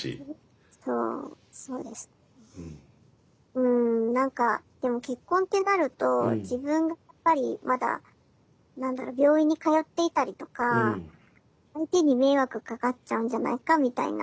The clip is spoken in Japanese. うん何かでも結婚ってなると自分がやっぱりまだ何だろ病院に通っていたりとか相手に迷惑かかっちゃうんじゃないかみたいな